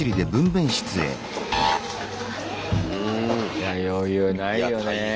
いや余裕ないよね。